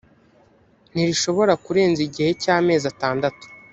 ntirishobora kurenza igihe cy amezi atandatu